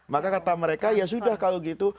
maka kata mereka ya sudah kalau gitu